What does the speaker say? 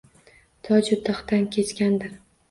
Toju taxtdan kechgandir?